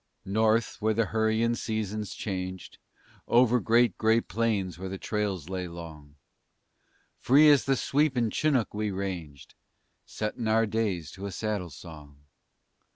North, where the hurrying seasons changed Over great gray plains where the trails lay long, Free as the sweeping Chinook we ranged, Setting our days to a saddle song.